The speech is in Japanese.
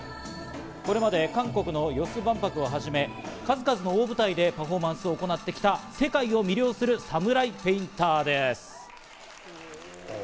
これまで韓国のヨス万博をはじめ、数々の大舞台でパフォーマンスを行ってきた、世界を魅了するサムライペインターです。